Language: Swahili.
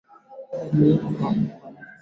haraka kushinda sehemu nyingine za Dunia Eneo